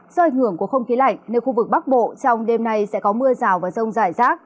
do ảnh hưởng của không khí lạnh nên khu vực bắc bộ trong đêm nay sẽ có mưa rào và rông rải rác